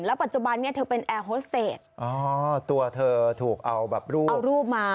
ปัจจุบันนี้เธอเป็นแอร์โฮสเตจอ๋อตัวเธอถูกเอาแบบรูปเอารูปมา